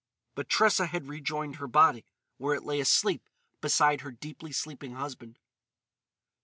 But Tressa had rejoined her body, where it lay asleep beside her deeply sleeping husband.